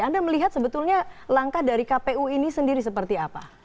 anda melihat sebetulnya langkah dari kpu ini sendiri seperti apa